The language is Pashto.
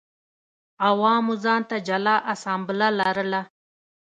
عوامو ځان ته جلا اسامبله لرله